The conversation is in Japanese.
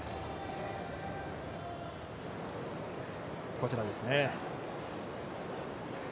こちらですね。